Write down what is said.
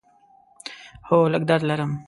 هو، لږ درد لرم